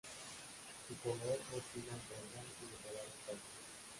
Su color oscila entre el blanco y el dorado pálido.